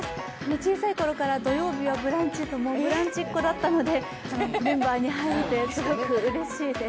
小さいころから土曜日は「ブランチ」と「ブランチ」っ子だったので、メンバーに入れてすごくうれしいです。